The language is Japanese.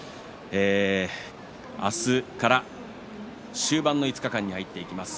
明日から終盤の５日間に入っていきます。